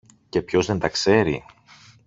Και ποιος δεν τα ξέρει!